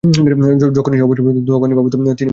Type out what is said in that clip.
যখনই সে অবসর পাইত তখনই ভাবিত তিনি কী মনে করিতেছেন?